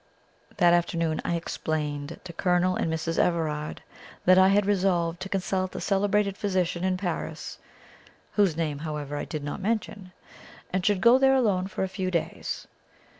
That afternoon I explained to Colonel and Mrs. Everard that I had resolved to consult a celebrated physician in Paris (whose name, however, I did not mention), and should go there alone for a few days.